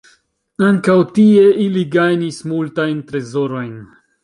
Ankaŭ tie ili gajnis multajn trezorojn.